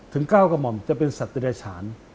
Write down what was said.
ถึงเก้ากระหม่อมจะเป็นสัตวิริสาร